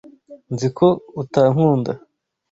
Nzi ko utankunda.